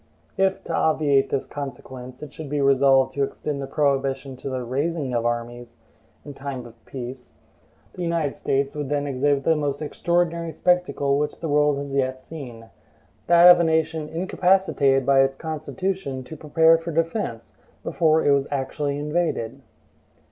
If, to obviate this consequence, it should be resolved to extend the prohibition to the RAISING of armies in time of peace, the United States would then exhibit the most extraordinary spectacle which the world has yet seen, that of a nation incapacitated by its Constitution to prepare for defense, before it was actually invaded.